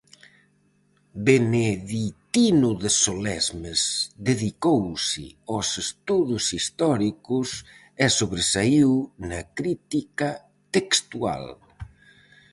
Beneditino de Solesmes, dedicouse aos estudos históricos e sobresaíu na crítica textual.